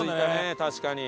確かに。